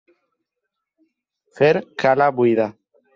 Fer cala buida.